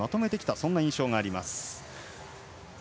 そんな印象があります。